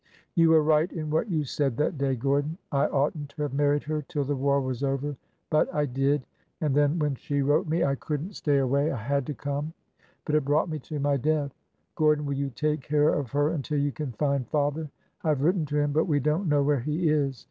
You were right in what you said that day, Gordon. I ought n't to have married her till the war was over. But— I did; and then, when she wrote me— I couldn't stay away. I had to come! But it brought me to my death. Gordon, will you take care of her until you can find father? I have written to him, but we don't know where he is.